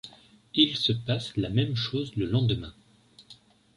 Il se passe la même chose le lendemain.